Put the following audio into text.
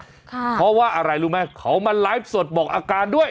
เพราะว่าอะไรรู้ไหมเขามาไลฟ์สดบอกอาการด้วย